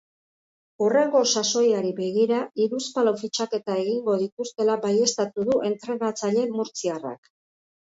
Hurrengo sasoiari begiar hurzpalau fitxaketa egingo dituztela baieztatu du entrenatzaile murtziarrak.